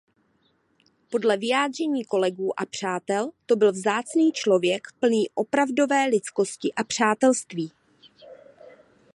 Podle vyjádření kolegů a přátel to byl vzácný člověk plný opravdové lidskosti a přátelství.